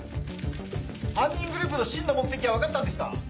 犯人グループの真の目的は分かったんですか？